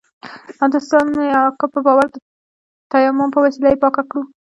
او د سلطان مير اکا په باور د تيمم په وسيله يې پاکه کړو.